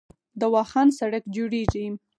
د واخان سړک جوړیږي